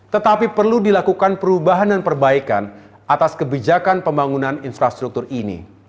tetapi perlu dilakukan perubahan dan perbaikan atas kebijakan pembangunan infrastruktur ini